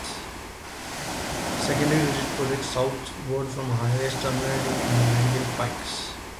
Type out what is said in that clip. A secondary ridge projects southward from High Raise, terminating in the Langdale Pikes.